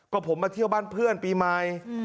ก็ผมมาเที่ยวบ้านเพื่อนปีใหม่